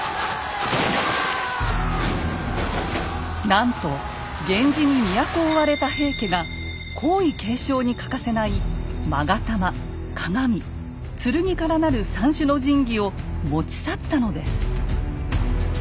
なんと源氏に都を追われた平家が皇位継承に欠かせない勾玉・鏡・剣から成る三種の神器を持ち去ったのです。